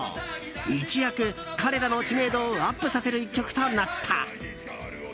一躍、彼らの知名度をアップさせる１曲となった。